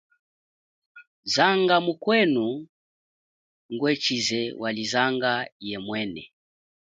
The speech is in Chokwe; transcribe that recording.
Zanga mukwenu ngwechize wali zanga yemwene.